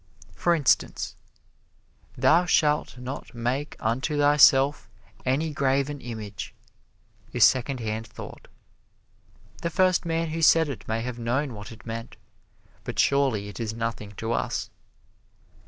For instance, "Thou shalt not make unto thyself any graven image," is Secondhand Thought. The first man who said it may have known what it meant, but surely it is nothing to us.